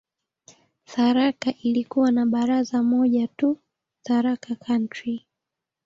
Tharaka ilikuwa na baraza moja tu, "Tharaka County".